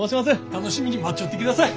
楽しみに待っちょってください。